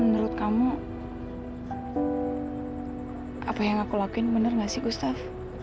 menurut kamu apa yang aku lakuin benar nggak sih gustaf